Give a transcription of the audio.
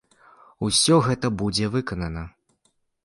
Усё гэта будзе выканана.